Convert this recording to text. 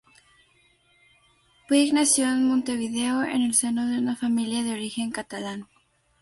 Puig nació en Montevideo, en el seno de una familia de origen catalán.